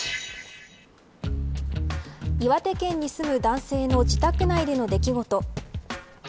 岩手県に住む男性の自宅内での出来事。